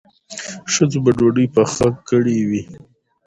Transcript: ښځو به ډوډۍ پخ کړې وي.